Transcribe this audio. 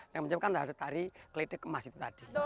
yang menyebabkan tari tari kelitik emas itu tadi